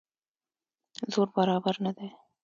زور برابر نه دی.